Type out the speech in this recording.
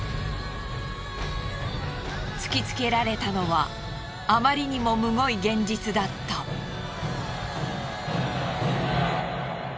突きつけられたのはあまりにもむごい現実だった。え！？